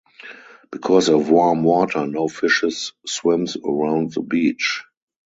Because of warm water no fishes swims around the beach.